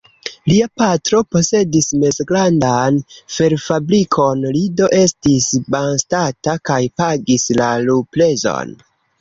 Lia patro posedis mezgrandan ferfabrikon, li do estis bonstata kaj pagis la luprezon.